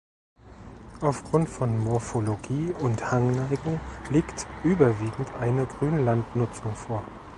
Aufgrund von Morphologie und Hangneigung liegt überwiegend eine Grünlandnutzung vor.